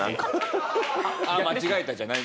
「あっ間違えた」じゃない。